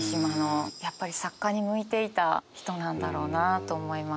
やっぱり作家に向いていた人なんだろうなと思います。